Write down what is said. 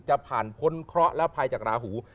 จะผ่านพ้นเคราะห์และภัยจากราหู